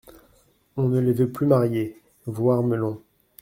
On ne les veut plus mariés (voir Melon).